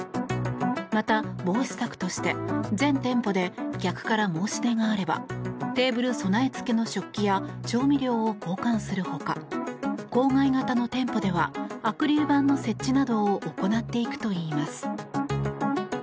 また、防止策として、全店舗で客から申し出があればテーブル備えつけの食器や調味料を交換するほか郊外型の店舗ではアクリル板の設置などを行っていくといいます。